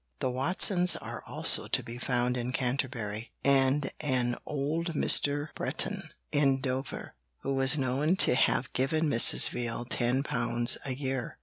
The Watsons are also to be found in Canterbury, and an 'old Mr. Breton' in Dover, who was known to have given Mrs. Veal £10 a year.